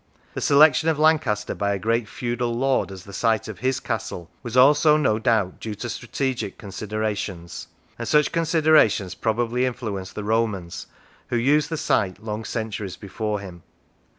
The selection of Lancaster by a great feudal lord as the site of his castle was also, no doubt, due to strategic considerations, and such considerations probably influenced the Romans who used the site long centuries before him.